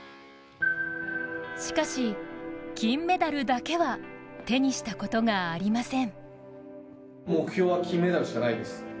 しかし金メダルだけは手にしたことがありません。